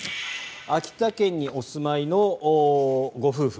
秋田県にお住まいのご夫婦。